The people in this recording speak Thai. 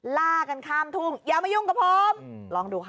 ล่ากันข้ามทุ่งอย่ามายุ่งกับผมลองดูค่ะ